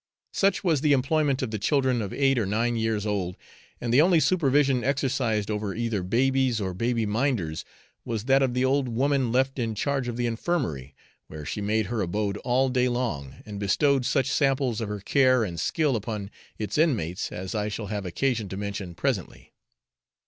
Such was the employment of the children of eight or nine years old, and the only supervision exercised over either babies or 'baby minders' was that of the old woman left in charge of the infirmary, where she made her abode all day long and bestowed such samples of her care and skill upon its inmates as I shall have occasion to mention presently.